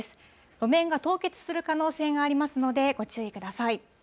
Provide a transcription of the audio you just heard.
路面が凍結する可能性がありますので、ご注意ください。